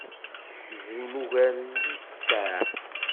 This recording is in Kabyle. Tesrim ugar n littseɛ?